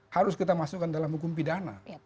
harus kita masukkan dalam hukum pidana